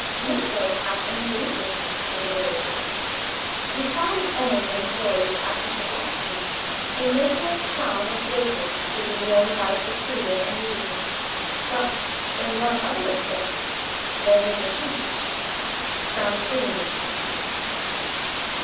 Mirabel had indeed returned to the rose garden. He found Emily employed as he had left her, in making a crown of roses, to be worn by Cecilia in the evening. But, in one other respect, there was a change. Francine was present.